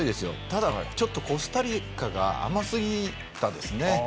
ただ、ちょっとコスタリカが甘すぎましたね。